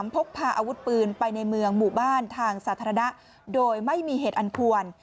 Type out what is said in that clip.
พกพาอาวุธปืนไปในเมืองหมู่บ้านทางสาธารณะโดยไม่มีเหตุอันควร